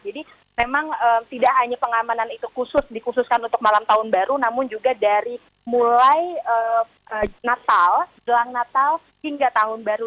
jadi memang tidak hanya pengamanan itu khusus dikhususkan untuk malam tahun baru namun juga dari mulai natal jelang natal hingga tahun baru